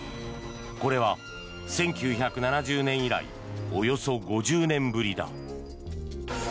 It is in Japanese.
これは１９７０年以来およそ５０年ぶりだ。